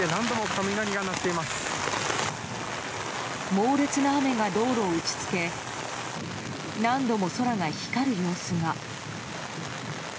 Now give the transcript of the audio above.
猛烈な雨が道路を打ち付け何度も空が光る様子が。